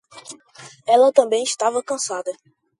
Ela também estava cansada.